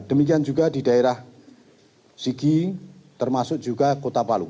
demikian juga di daerah sigi termasuk juga kota palu